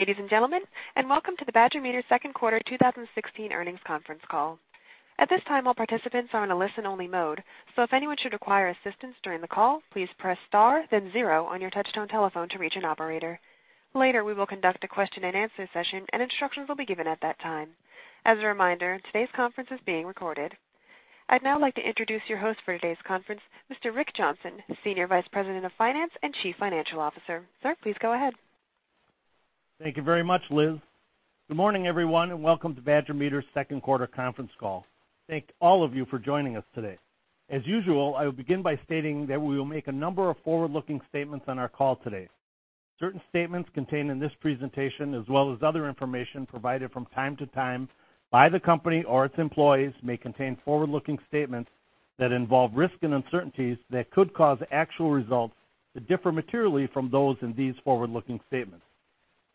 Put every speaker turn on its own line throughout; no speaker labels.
Ladies and gentlemen, welcome to the Badger Meter second quarter 2016 earnings conference call. At this time, all participants are on a listen-only mode. If anyone should require assistance during the call, please press star then zero on your touch-tone telephone to reach an operator. Later, we will conduct a question and answer session, and instructions will be given at that time. As a reminder, today's conference is being recorded. I'd now like to introduce your host for today's conference, Mr. Rick Johnson, Senior Vice President of Finance and Chief Financial Officer. Sir, please go ahead.
Thank you very much, Liz. Good morning, everyone, and welcome to Badger Meter's second quarter conference call. Thank all of you for joining us today. As usual, I will begin by stating that we will make a number of forward-looking statements on our call today. Certain statements contained in this presentation, as well as other information provided from time to time by the company or its employees may contain forward-looking statements that involve risks and uncertainties that could cause actual results to differ materially from those in these forward-looking statements.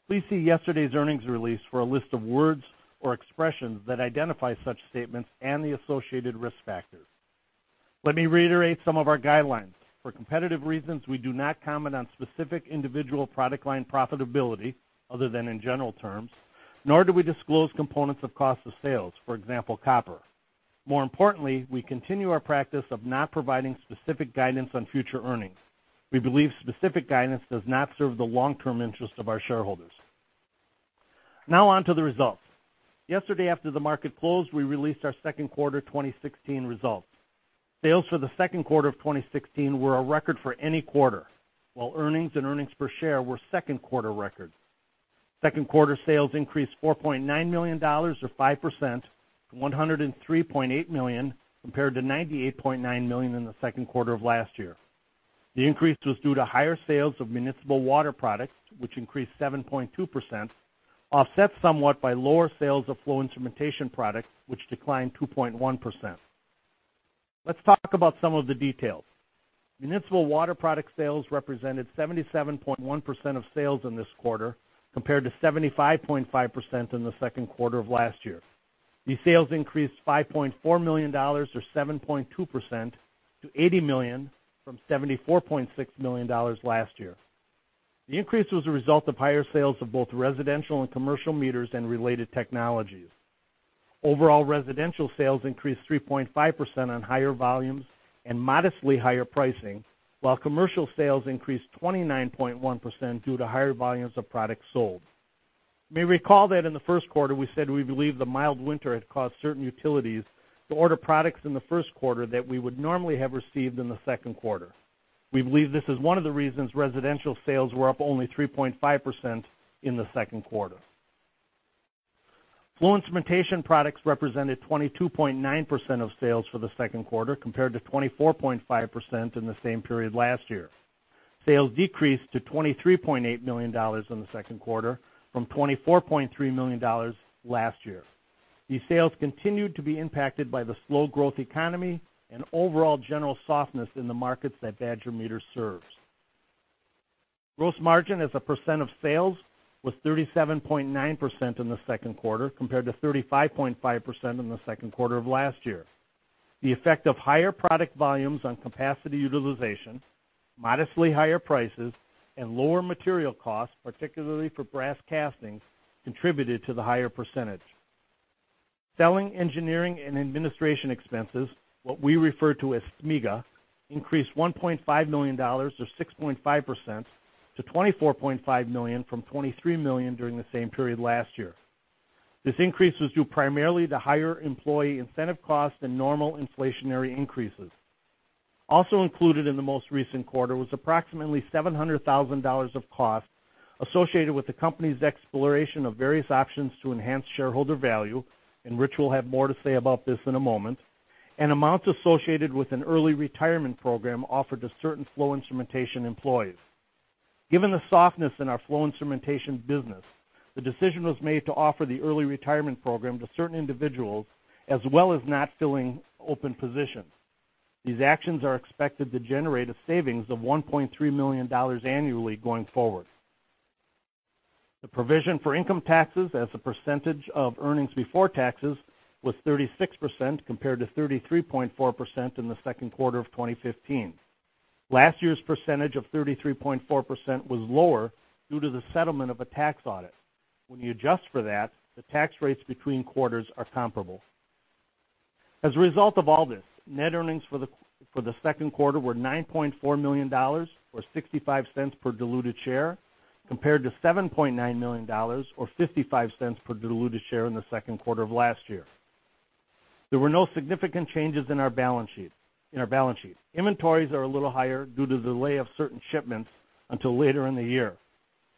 Please see yesterday's earnings release for a list of words or expressions that identify such statements and the associated risk factors. Let me reiterate some of our guidelines. For competitive reasons, we do not comment on specific individual product line profitability, other than in general terms, nor do we disclose components of cost of sales, for example, copper. More importantly, we continue our practice of not providing specific guidance on future earnings. We believe specific guidance does not serve the long-term interest of our shareholders. Now on to the results. Yesterday, after the market closed, we released our second quarter 2016 results. Sales for the second quarter of 2016 were a record for any quarter, while earnings and earnings per share were second quarter records. Second quarter sales increased $4.9 million, or 5%, to $103.8 million, compared to $98.9 million in the second quarter of last year. The increase was due to higher sales of municipal water products, which increased 7.2%, offset somewhat by lower sales of flow instrumentation products, which declined 2.1%. Let's talk about some of the details. Municipal water product sales represented 77.1% of sales in this quarter, compared to 75.5% in the second quarter of last year. These sales increased $5.4 million, or 7.2%, to $80 million from $74.6 million last year. The increase was a result of higher sales of both residential and commercial meters and related technologies. Overall residential sales increased 3.5% on higher volumes and modestly higher pricing, while commercial sales increased 29.1% due to higher volumes of products sold. You may recall that in the first quarter, we said we believe the mild winter had caused certain utilities to order products in the first quarter that we would normally have received in the second quarter. We believe this is one of the reasons residential sales were up only 3.5% in the second quarter. Flow instrumentation products represented 22.9% of sales for the second quarter, compared to 24.5% in the same period last year. Sales decreased to $23.8 million in the second quarter from $24.3 million last year. These sales continued to be impacted by the slow growth economy and overall general softness in the markets that Badger Meter serves. Gross margin as a percent of sales was 37.9% in the second quarter, compared to 35.5% in the second quarter of last year. The effect of higher product volumes on capacity utilization, modestly higher prices, and lower material costs, particularly for brass castings, contributed to the higher percentage. Selling, engineering, and administration expenses, what we refer to as SEA, increased $1.5 million, or 6.5%, to $24.5 million from $23 million during the same period last year. This increase was due primarily to higher employee incentive costs and normal inflationary increases. Also included in the most recent quarter was approximately $700,000 of costs associated with the company's exploration of various options to enhance shareholder value. Rich will have more to say about this in a moment, and amounts associated with an early retirement program offered to certain flow instrumentation employees. Given the softness in our flow instrumentation business, the decision was made to offer the early retirement program to certain individuals, as well as not filling open positions. These actions are expected to generate a savings of $1.3 million annually going forward. The provision for income taxes as a percentage of earnings before taxes was 36% compared to 33.4% in the second quarter of 2015. Last year's percentage of 33.4% was lower due to the settlement of a tax audit. When you adjust for that, the tax rates between quarters are comparable. As a result of all this, net earnings for the second quarter were $9.4 million, or $0.65 per diluted share, compared to $7.9 million, or $0.55 per diluted share in the second quarter of last year. There were no significant changes in our balance sheet. Inventories are a little higher due to the delay of certain shipments until later in the year.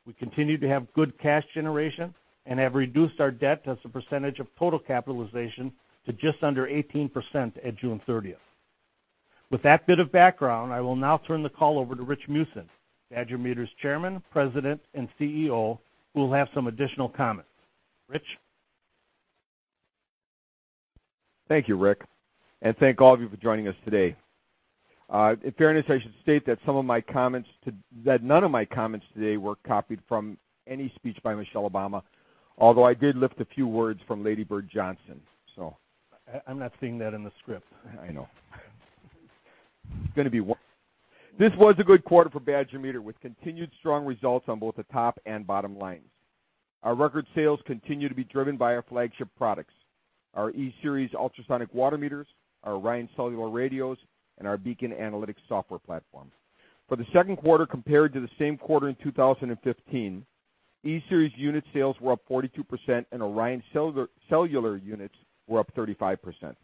We continue to have good cash generation and have reduced our debt as a percentage of total capitalization to just under 18% at June 30th. With that bit of background, I will now turn the call over to Rich Meeusen, Badger Meter's Chairman, President, and CEO, who will have some additional comments. Rich?
Thank you, Rick. Thank all of you for joining us today. In fairness, I should state that none of my comments today were copied from any speech by Michelle Obama, although I did lift a few words from Lady Bird Johnson.
I'm not seeing that in the script.
I know. It's going to be one. This was a good quarter for Badger Meter, with continued strong results on both the top and bottom lines. Our record sales continue to be driven by our flagship products, our E-Series ultrasonic water meters, our ORION cellular radios, and our BEACON Analytics software platform. For the second quarter compared to the same quarter in 2015, E-Series unit sales were up 42%, and ORION cellular units were up 35%.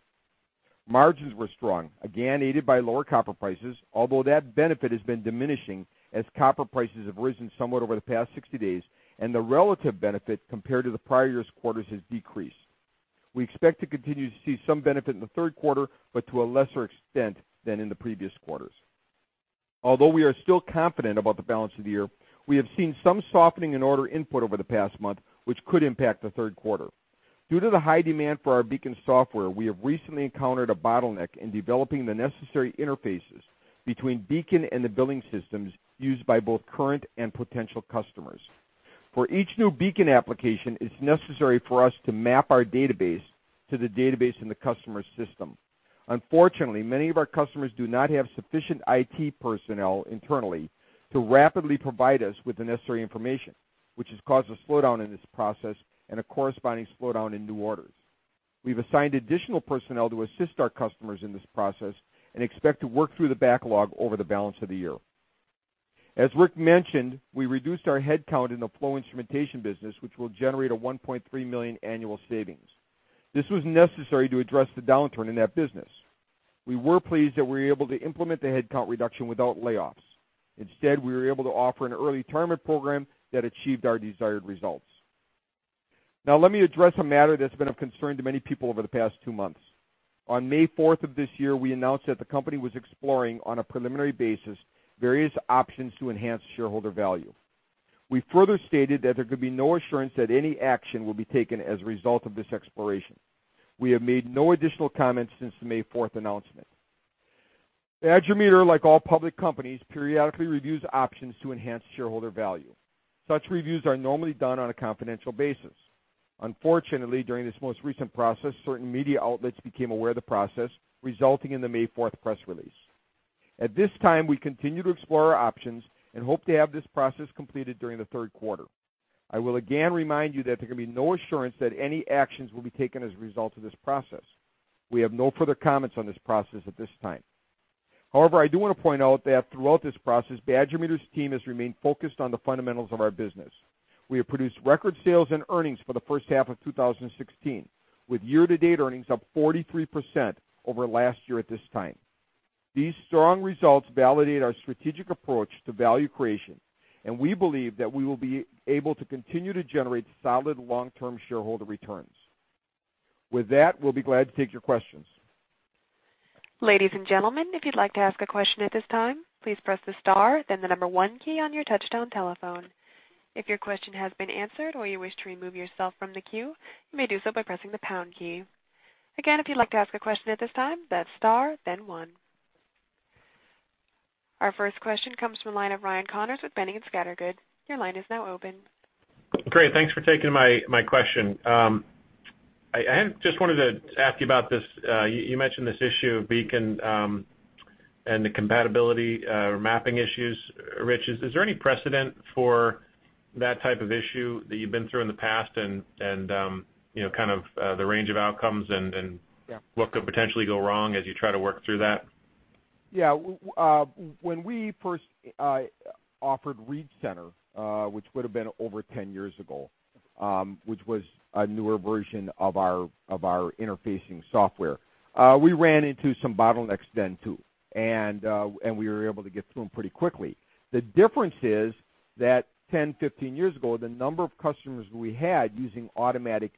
Margins were strong, again aided by lower copper prices, although that benefit has been diminishing as copper prices have risen somewhat over the past 60 days, and the relative benefit compared to the prior year's quarters has decreased. We expect to continue to see some benefit in the third quarter, but to a lesser extent than in the previous quarters. We are still confident about the balance of the year, we have seen some softening in order input over the past month, which could impact the third quarter. Due to the high demand for our BEACON software, we have recently encountered a bottleneck in developing the necessary interfaces between BEACON and the billing systems used by both current and potential customers. For each new BEACON application, it's necessary for us to map our database to the database in the customer's system. Unfortunately, many of our customers do not have sufficient IT personnel internally to rapidly provide us with the necessary information, which has caused a slowdown in this process and a corresponding slowdown in new orders. We've assigned additional personnel to assist our customers in this process and expect to work through the backlog over the balance of the year. As Rick mentioned, we reduced our headcount in the flow instrumentation business, which will generate a $1.3 million annual savings. This was necessary to address the downturn in that business. We were pleased that we were able to implement the headcount reduction without layoffs. Instead, we were able to offer an early retirement program that achieved our desired results. Now let me address a matter that's been of concern to many people over the past two months. On May 4th of this year, we announced that the company was exploring, on a preliminary basis, various options to enhance shareholder value. We further stated that there could be no assurance that any action will be taken as a result of this exploration. We have made no additional comments since the May 4th announcement. Badger Meter, like all public companies, periodically reviews options to enhance shareholder value. Such reviews are normally done on a confidential basis. Unfortunately, during this most recent process, certain media outlets became aware of the process, resulting in the May 4th press release. At this time, we continue to explore our options and hope to have this process completed during the third quarter. I will again remind you that there can be no assurance that any actions will be taken as a result of this process. We have no further comments on this process at this time. I do want to point out that throughout this process, Badger Meter's team has remained focused on the fundamentals of our business. We have produced record sales and earnings for the first half of 2016, with year-to-date earnings up 43% over last year at this time. These strong results validate our strategic approach to value creation. We believe that we will be able to continue to generate solid long-term shareholder returns. With that, we'll be glad to take your questions.
Ladies and gentlemen, if you'd like to ask a question at this time, please press the star then the number 1 key on your touch-tone telephone. If your question has been answered or you wish to remove yourself from the queue, you may do so by pressing the pound key. Again, if you'd like to ask a question at this time, that's star, then 1. Our first question comes from the line of Ryan Connors with Boenning & Scattergood. Your line is now open.
Great. Thanks for taking my question. I just wanted to ask you about this. You mentioned this issue of BEACON and the compatibility or mapping issues, Rich. Is there any precedent for that type of issue that you've been through in the past and the range of outcomes and.
Yeah
What could potentially go wrong as you try to work through that?
Yeah. When we first offered ReadCenter, which would have been over 10 years ago, which was a newer version of our interfacing software, we ran into some bottlenecks then, too, and we were able to get through them pretty quickly. The difference is that 10, 15 years ago, the number of customers we had using automated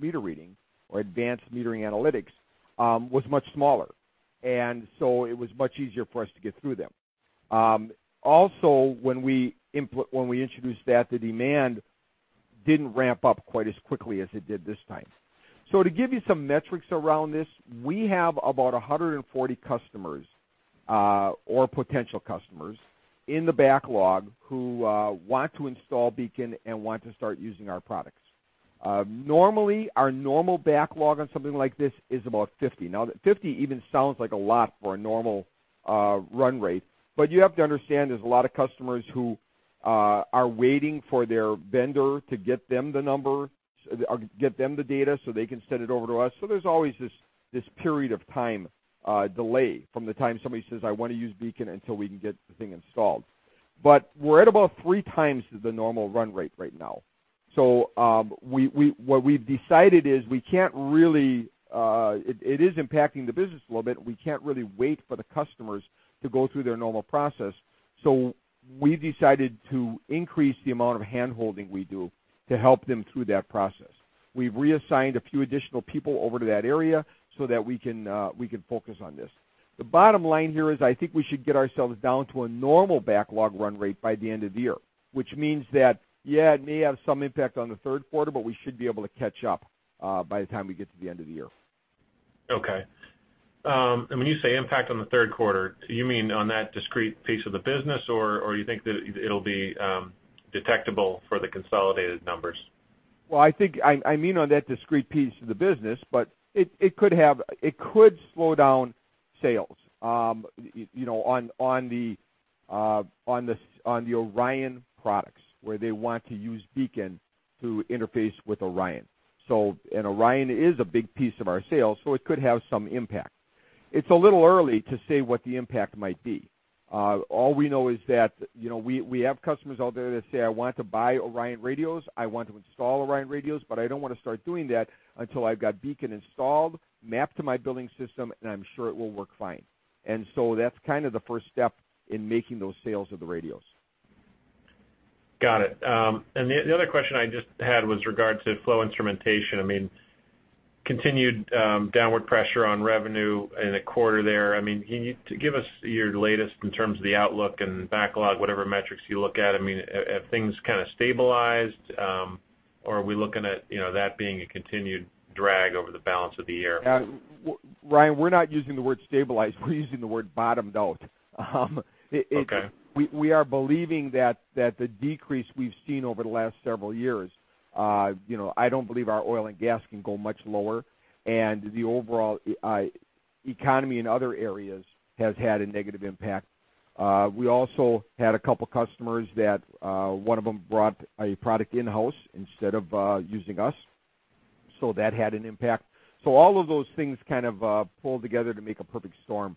meter reading or Advanced Metering Infrastructure was much smaller. It was much easier for us to get through them. Also, when we introduced that, the demand didn't ramp up quite as quickly as it did this time. To give you some metrics around this, we have about 140 customers or potential customers in the backlog who want to install BEACON and want to start using our products. Normally, our normal backlog on something like this is about 50. Now, 50 even sounds like a lot for a normal run rate. You have to understand there's a lot of customers who are waiting for their vendor to get them the data so they can send it over to us. There's always this period of time delay from the time somebody says, "I want to use BEACON" until we can get the thing installed. We're at about three times the normal run rate right now. What we've decided is we can't really. It is impacting the business a little bit. We can't really wait for the customers to go through their normal process. We've decided to increase the amount of handholding we do to help them through that process. We've reassigned a few additional people over to that area so that we can focus on this. The bottom line here is I think we should get ourselves down to a normal backlog run rate by the end of the year, which means that, yeah, it may have some impact on the third quarter, but we should be able to catch up by the time we get to the end of the year.
Okay. When you say impact on the third quarter, you mean on that discrete piece of the business, or you think that it'll be detectable for the consolidated numbers?
Well, I mean on that discrete piece of the business, but it could slow down sales on the ORION products, where they want to use BEACON to interface with ORION. ORION is a big piece of our sales, so it could have some impact. It's a little early to say what the impact might be. All we know is that we have customers out there that say, "I want to buy ORION radios. I want to install ORION radios, but I don't want to start doing that until I've got BEACON installed, mapped to my billing system, and I'm sure it will work fine." So that's kind of the first step in making those sales of the radios.
Got it. The other question I just had was in regard to flow instrumentation. Continued downward pressure on revenue in a quarter there. Can you give us your latest in terms of the outlook and backlog, whatever metrics you look at? Have things kind of stabilized? Or are we looking at that being a continued drag over the balance of the year?
Ryan, we're not using the word stabilize. We're using the word bottomed out.
Okay.
We are believing that the decrease we've seen over the last several years, I don't believe our oil and gas can go much lower, and the overall economy in other areas has had a negative impact. We also had a couple customers that one of them brought a product in-house instead of using us. That had an impact. All of those things kind of pulled together to make a perfect storm.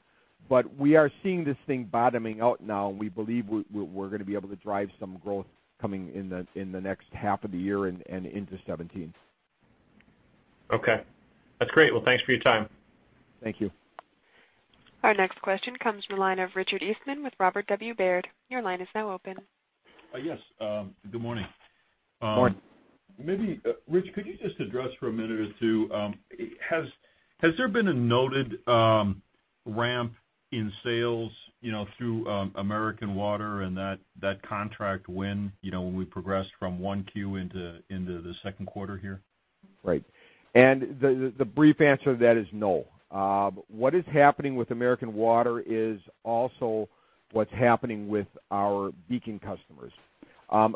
We are seeing this thing bottoming out now, and we believe we're going to be able to drive some growth coming in the next half of the year and into 2017.
Okay. That's great. Well, thanks for your time.
Thank you.
Our next question comes from the line of Richard Eastman with Robert W. Baird. Your line is now open.
Yes. Good morning.
Morning.
Maybe, Rich, could you just address for a minute or two, has there been a noted ramp in sales through American Water and that contract win when we progressed from one Q into the second quarter here?
Right. The brief answer to that is no. What is happening with American Water is also what's happening with our BEACON customers.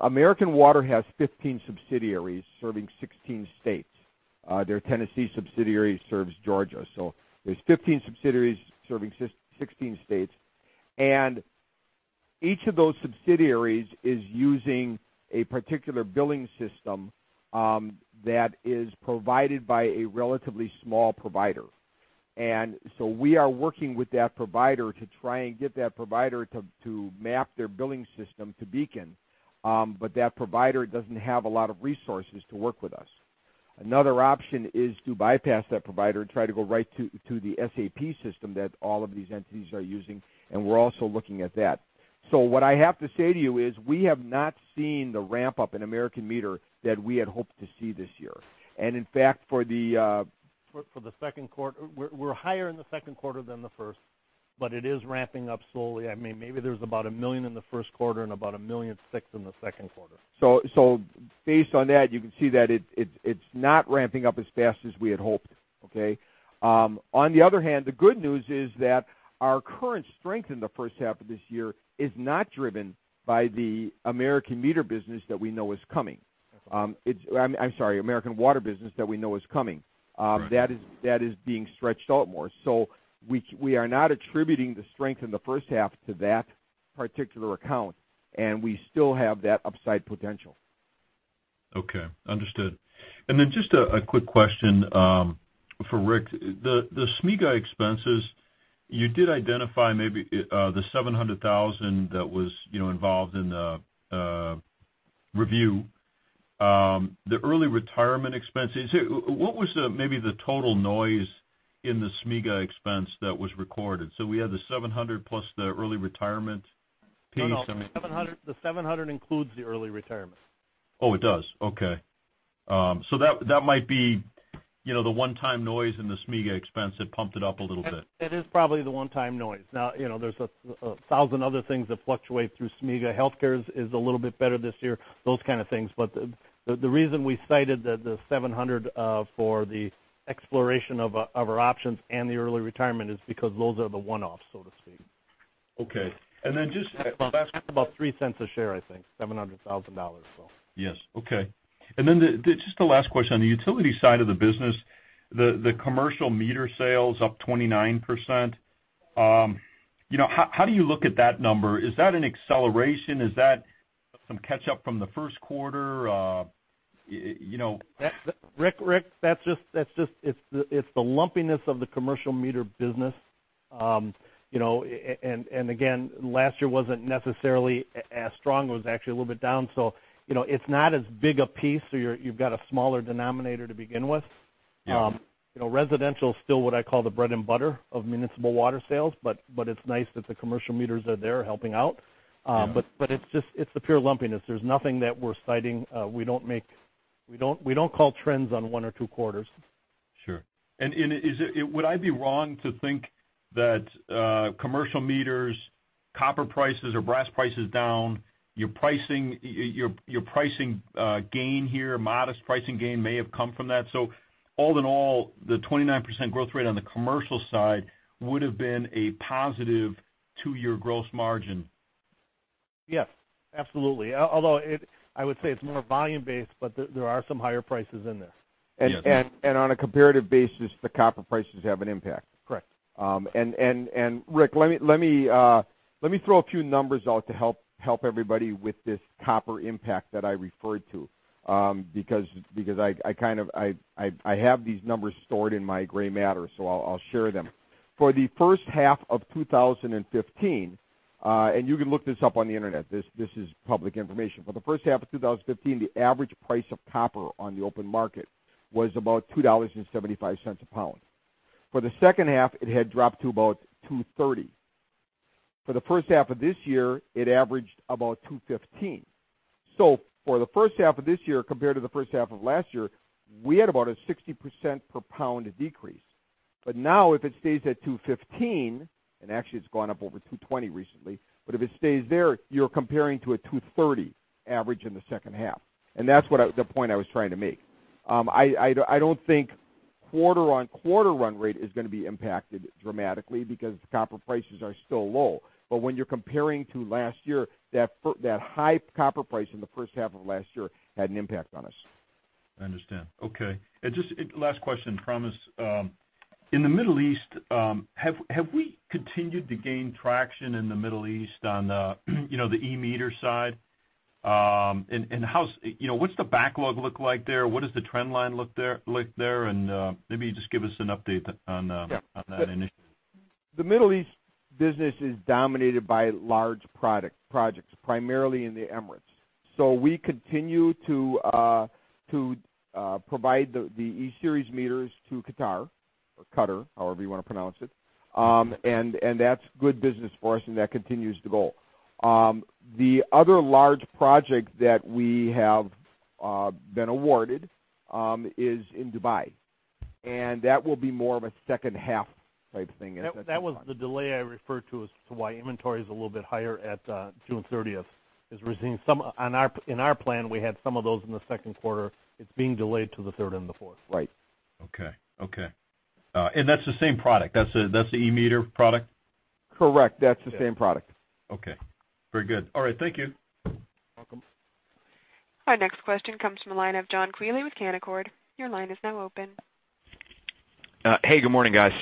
American Water has 15 subsidiaries serving 16 states. Their Tennessee subsidiary serves Georgia. There's 15 subsidiaries serving 16 states. Each of those subsidiaries is using a particular billing system that is provided by a relatively small provider. We are working with that provider to try and get that provider to map their billing system to BEACON. That provider doesn't have a lot of resources to work with us. Another option is to bypass that provider and try to go right to the SAP system that all of these entities are using, and we're also looking at that. What I have to say to you is we have not seen the ramp-up in American Water that we had hoped to see this year.
For the second quarter, we're higher in the second quarter than the first, but it is ramping up slowly. Maybe there's about $1 million in the first quarter and about $1.6 million in the second quarter.
Based on that, you can see that it's not ramping up as fast as we had hoped, okay? On the other hand, the good news is that our current strength in the first half of this year is not driven by the American Water business that we know is coming. I'm sorry, American Water business that we know is coming.
Right.
That is being stretched out more. We are not attributing the strength in the first half to that particular account, and we still have that upside potential.
Okay. Understood. Then just a quick question for Rick. The SEA expenses, you did identify maybe the $700,000 that was involved in the review. The early retirement expenses, what was maybe the total noise in the SEA expense that was recorded? So we had the $700 plus the early retirement payment-
No. The $700 includes the early retirement.
Oh, it does. Okay. That might be the one-time noise in the SEA expense that pumped it up a little bit.
That is probably the one-time noise. There's 1,000 other things that fluctuate through SEA. Healthcare is a little bit better this year, those kind of things. The reason we cited the $700 for the exploration of our options and the early retirement is because those are the one-offs, so to speak.
Okay.
About $0.03 a share, I think. $700,000.
Yes. Okay. Just the last question. On the utility side of the business, the commercial meter sales up 29%. How do you look at that number? Is that an acceleration? Is that some catch-up from the first quarter?
Rick, it's the lumpiness of the commercial meter business. Again, last year wasn't necessarily as strong. It was actually a little bit down. It's not as big a piece, so you've got a smaller denominator to begin with.
Yeah.
Residential is still what I call the bread and butter of municipal water sales, but it's nice that the commercial meters are there helping out.
Yeah.
It's the pure lumpiness. There's nothing that we're citing. We don't call trends on one or two quarters.
Sure. Would I be wrong to think that commercial meters, copper prices or brass prices down, your pricing gain here, modest pricing gain may have come from that? All in all, the 29% growth rate on the commercial side would have been a positive two-year gross margin.
Yes, absolutely. Although I would say it's more volume-based, but there are some higher prices in this.
On a comparative basis, the copper prices have an impact.
Correct.
Rick, let me throw a few numbers out to help everybody with this copper impact that I referred to. I have these numbers stored in my gray matter, so I'll share them. For the first half of 2015, and you can look this up on the internet, this is public information. For the first half of 2015, the average price of copper on the open market was about $2.75 a pound. For the second half, it had dropped to about $2.30. For the first half of this year, it averaged about $2.15. For the first half of this year compared to the first half of last year, we had about a 60% per pound decrease. Now if it stays at $2.15, and actually it's gone up over $2.20 recently, but if it stays there, you're comparing to a $2.30 average in the second half. That's the point I was trying to make. I don't think quarter-on-quarter run rate is going to be impacted dramatically because copper prices are still low. When you're comparing to last year, that high copper price in the first half of last year had an impact on us.
I understand. Okay. Just last question, Richard. In the Middle East, have we continued to gain traction in the Middle East on the E-meter side? What's the backlog look like there? What does the trend line look there, and maybe just give us an update on that initiative.
The Middle East business is dominated by large projects, primarily in the Emirates. We continue to provide the E-Series meters to Qatar or Qatar, however you want to pronounce it, and that's good business for us, and that continues to go. The other large project that we have been awarded is in Dubai, and that will be more of a second half type thing.
That was the delay I referred to as to why inventory is a little bit higher at June 30th, is we're seeing in our plan, we had some of those in the second quarter. It's being delayed to the third and the fourth.
Right.
Okay. That's the same product? That's the E-Series meter product?
Correct. That's the same product.
Okay. Very good. All right. Thank you.
Welcome.
Our next question comes from the line of John Queally with Canaccord. Your line is now open.
Hey, good morning, guys.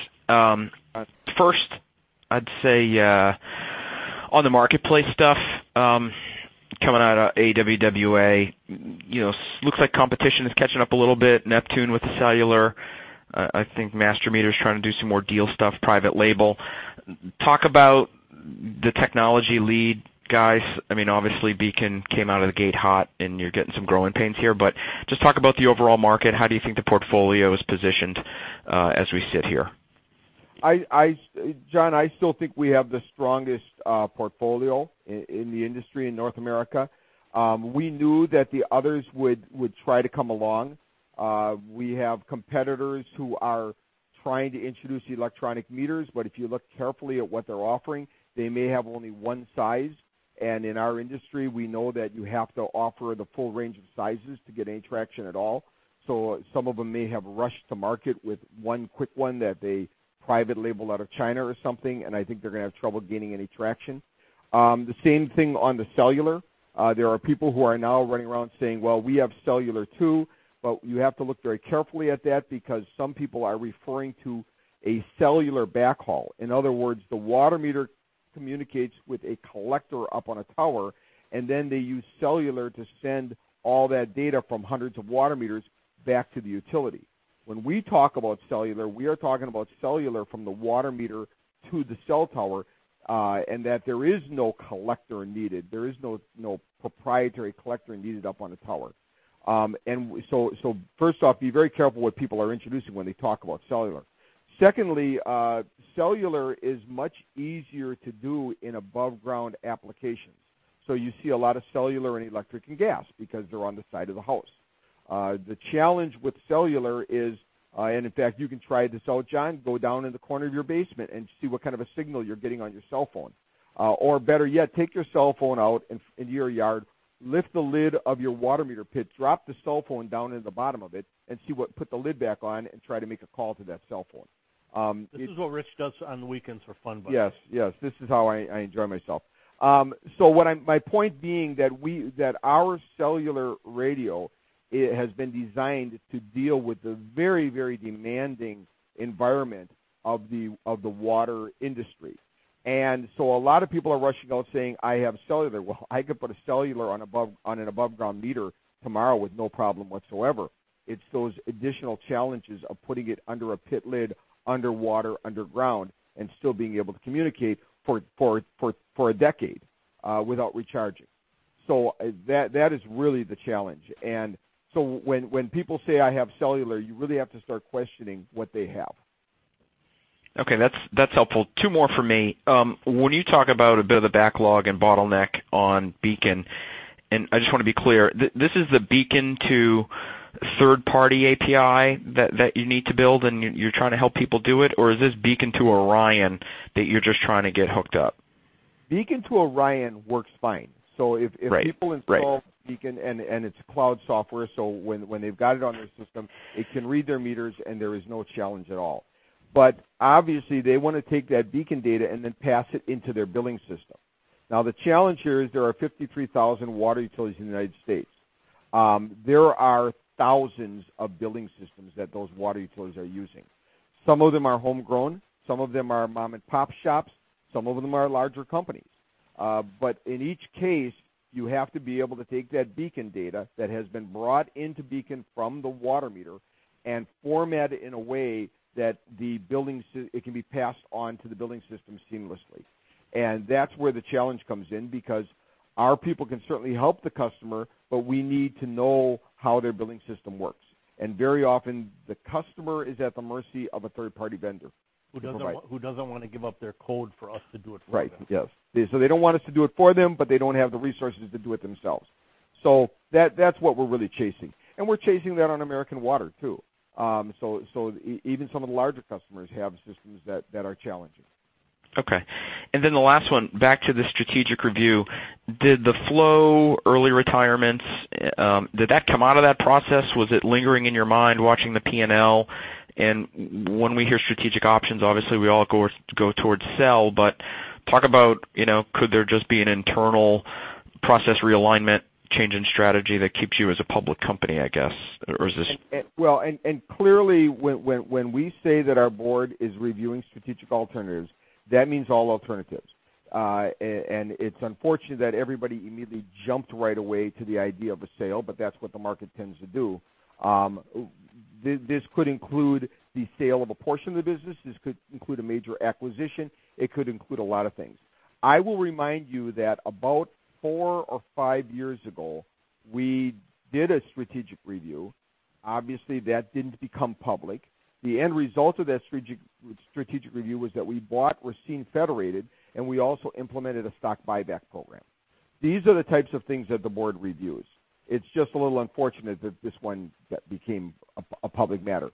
First, I'd say on the marketplace stuff, coming out of AWWA. Looks like competition is catching up a little bit. Neptune with the cellular. I think Master Meter is trying to do some more deal stuff, private label. Talk about the technology lead, guys. Obviously BEACON came out of the gate hot, and you're getting some growing pains here. Just talk about the overall market. How do you think the portfolio is positioned as we sit here?
John, I still think we have the strongest portfolio in the industry in North America. We knew that the others would try to come along. We have competitors who are trying to introduce electronic meters, if you look carefully at what they're offering, they may have only one size. In our industry, we know that you have to offer the full range of sizes to get any traction at all. Some of them may have rushed to market with one quick one that they private label out of China or something, and I think they're going to have trouble gaining any traction. The same thing on the cellular. There are people who are now running around saying, "Well, we have cellular too," you have to look very carefully at that because some people are referring to a cellular backhaul. In other words, the water meter communicates with a collector up on a tower. Then they use cellular to send all that data from hundreds of water meters back to the utility. When we talk about cellular, we are talking about cellular from the water meter to the cell tower, and that there is no collector needed. There is no proprietary collector needed up on a tower. First off, be very careful what people are introducing when they talk about cellular. Secondly, cellular is much easier to do in above ground applications. You see a lot of cellular in electric and gas because they're on the side of the house. The challenge with cellular is, and in fact, you can try this out, John. Go down in the corner of your basement and see what kind of a signal you're getting on your cell phone. Better yet, take your cell phone out into your yard, lift the lid of your water meter pit, drop the cell phone down in the bottom of it, put the lid back on, and try to make a call to that cell phone.
This is what Rich does on the weekends for fun, by the way.
Yes. This is how I enjoy myself. My point being that our cellular radio has been designed to deal with the very demanding environment of the water industry. A lot of people are rushing out saying, "I have cellular." Well, I could put a cellular on an above ground meter tomorrow with no problem whatsoever. It's those additional challenges of putting it under a pit lid, underwater, underground, and still being able to communicate for a decade without recharging. That is really the challenge. When people say, "I have cellular," you really have to start questioning what they have.
Okay, that's helpful. Two more from me. When you talk about a bit of the backlog and bottleneck on BEACON, I just want to be clear, this is the BEACON to third-party API that you need to build, and you're trying to help people do it? Or is this BEACON to ORION that you're just trying to get hooked up?
BEACON to ORION works fine.
Right.
If people install BEACON, it's cloud software, when they've got it on their system, it can read their meters, there is no challenge at all. Obviously, they want to take that BEACON data and then pass it into their billing system. The challenge here is there are 53,000 water utilities in the U.S. There are thousands of billing systems that those water utilities are using. Some of them are homegrown, some of them are mom-and-pop shops, some of them are larger companies. In each case, you have to be able to take that BEACON data that has been brought into BEACON from the water meter and format it in a way that it can be passed on to the billing system seamlessly. That's where the challenge comes in, because our people can certainly help the customer, we need to know how their billing system works. Very often the customer is at the mercy of a third-party vendor.
Who doesn't want to give up their code for us to do it for them.
Right. Yes. They don't want us to do it for them, but they don't have the resources to do it themselves. That's what we're really chasing, and we're chasing that on American Water too. Even some of the larger customers have systems that are challenging.
Okay. The last one, back to the strategic review. Did the flow, early retirements, did that come out of that process? Was it lingering in your mind watching the P&L? When we hear strategic options, obviously we all go towards sell. Talk about, could there just be an internal process realignment, change in strategy that keeps you as a public company, I guess? Or is this-
Clearly when we say that our board is reviewing strategic alternatives, that means all alternatives. It's unfortunate that everybody immediately jumped right away to the idea of a sale, but that's what the market tends to do. This could include the sale of a portion of the business. This could include a major acquisition. It could include a lot of things. I will remind you that about four or five years ago, we did a strategic review. Obviously, that didn't become public. The end result of that strategic review was that we bought Racine Federated, and we also implemented a stock buyback program. These are the types of things that the board reviews. It's just a little unfortunate that this one became a public matter.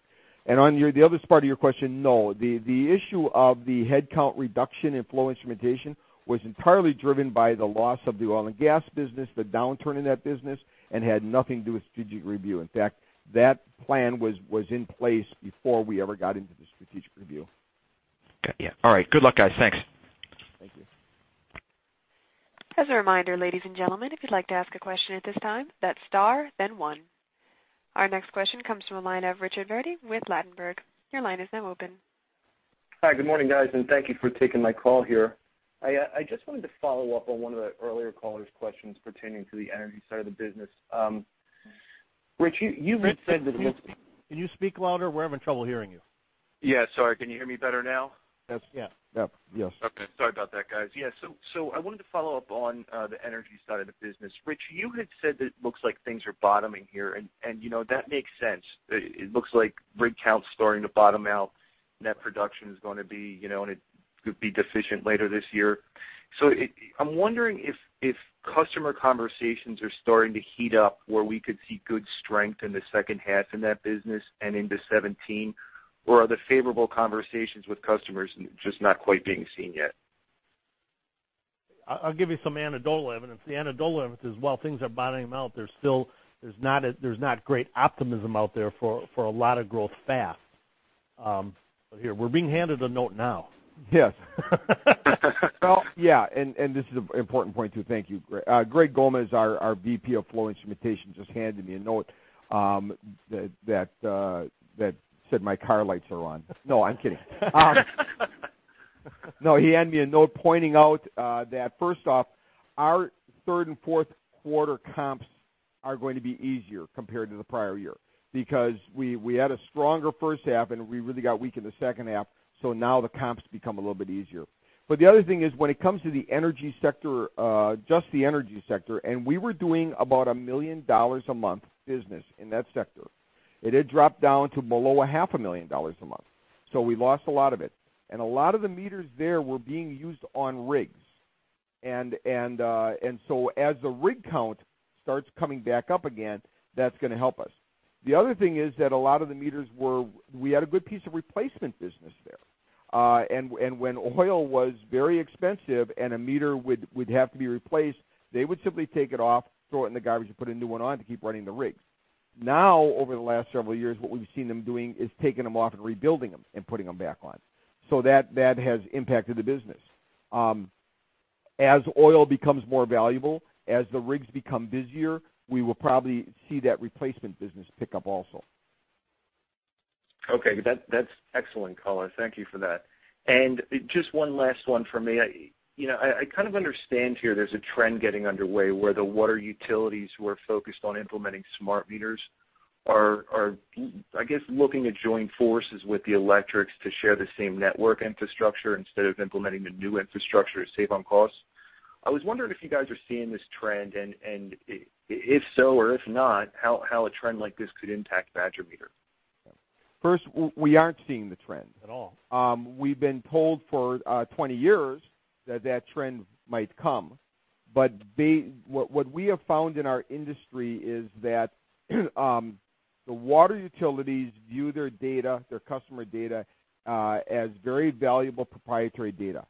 On the other part of your question, no, the issue of the headcount reduction in flow instrumentation was entirely driven by the loss of the oil and gas business, the downturn in that business, and had nothing to do with strategic review. In fact, that plan was in place before we ever got into the strategic review.
Okay. Yeah, all right. Good luck, guys. Thanks.
Thank you.
As a reminder, ladies and gentlemen, if you'd like to ask a question at this time, that's star then one. Our next question comes from the line of Richard Vardy with Ladenburg. Your line is now open.
Hi, good morning, guys, and thank you for taking my call here. I just wanted to follow up on one of the earlier caller's questions pertaining to the energy side of the business. Rich, you had said that-
Rich, can you speak louder? We're having trouble hearing you.
Yeah, sorry. Can you hear me better now?
Yes.
Yep. Yes.
Okay. Sorry about that, guys. I wanted to follow up on the energy side of the business. Rich, you had said that it looks like things are bottoming here, and that makes sense. It looks like rig count's starting to bottom out. Net production is going to be deficient later this year. I'm wondering if customer conversations are starting to heat up where we could see good strength in the second half in that business and into 2017, or are the favorable conversations with customers just not quite being seen yet?
I'll give you some anecdotal evidence. The anecdotal evidence is while things are bottoming out, there's not great optimism out there for a lot of growth fast. Here, we're being handed a note now.
Yes. This is an important point, too. Thank you. Gregory Gomez, our VP of flow instrumentation, just handed me a note that said my car lights are on. No, I'm kidding. He handed me a note pointing out that, first off, our third and fourth quarter comps are going to be easier compared to the prior year because we had a stronger first half, and we really got weak in the second half. Now the comps become a little bit easier. The other thing is when it comes to the energy sector, just the energy sector, and we were doing about $1 million a month business in that sector. It had dropped down to below a half a million dollars a month. We lost a lot of it. A lot of the meters there were being used on rigs. As the rig count starts coming back up again, that's going to help us. The other thing is that a lot of the meters, we had a good piece of replacement business there. When oil was very expensive and a meter would have to be replaced, they would simply take it off, throw it in the garbage, and put a new one on to keep running the rigs. Over the last several years, what we've seen them doing is taking them off and rebuilding them and putting them back on. That has impacted the business. As oil becomes more valuable, as the rigs become busier, we will probably see that replacement business pick up also.
Okay. That's excellent color. Thank you for that. Just one last one for me. I kind of understand here there's a trend getting underway where the water utilities who are focused on implementing smart meters are, I guess, looking to join forces with the electrics to share the same network infrastructure instead of implementing the new infrastructure to save on costs. I was wondering if you guys are seeing this trend, and if so or if not, how a trend like this could impact Badger Meter.
First, we aren't seeing the trend.
At all.
We've been told for 20 years that that trend might come. What we have found in our industry is that the water utilities view their data, their customer data, as very valuable proprietary data.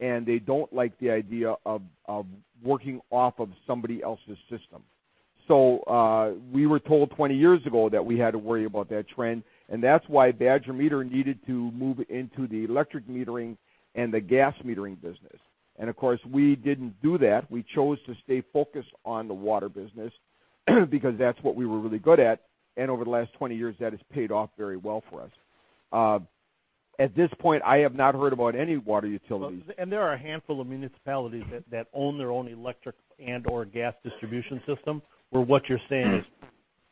They don't like the idea of working off of somebody else's system. We were told 20 years ago that we had to worry about that trend, and that's why Badger Meter needed to move into the electric metering and the gas metering business. Of course, we didn't do that. We chose to stay focused on the water business because that's what we were really good at, and over the last 20 years, that has paid off very well for us. At this point, I have not heard about any water utilities.
There are a handful of municipalities that own their own electric and/or gas distribution system, where what you're saying is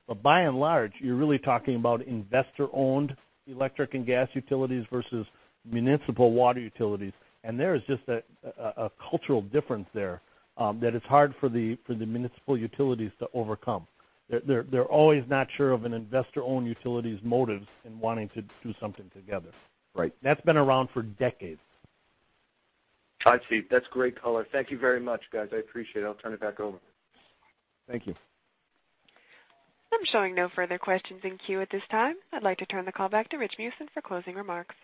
true. By and large, you're really talking about investor-owned electric and gas utilities versus municipal water utilities. There is just a cultural difference there that is hard for the municipal utilities to overcome. They're always not sure of an investor-owned utility's motives in wanting to do something together.
Right.
That's been around for decades.
I see. That's great color. Thank you very much, guys. I appreciate it. I'll turn it back over.
Thank you.
I'm showing no further questions in queue at this time. I'd like to turn the call back to Rich Meeusen for closing remarks.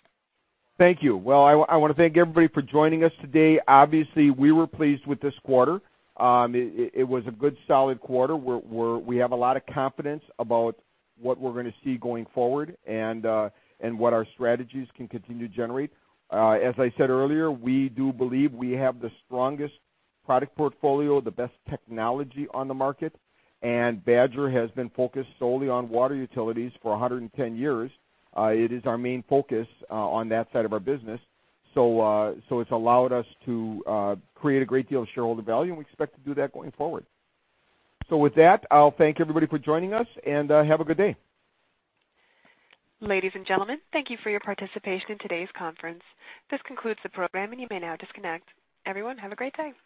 Thank you. Well, I want to thank everybody for joining us today. Obviously, we were pleased with this quarter. It was a good, solid quarter. We have a lot of confidence about what we're going to see going forward and what our strategies can continue to generate. As I said earlier, we do believe we have the strongest product portfolio, the best technology on the market, and Badger has been focused solely on water utilities for 110 years. It is our main focus on that side of our business. It's allowed us to create a great deal of shareholder value, and we expect to do that going forward. With that, I'll thank everybody for joining us, and have a good day.
Ladies and gentlemen, thank you for your participation in today's conference. This concludes the program, and you may now disconnect. Everyone, have a great day.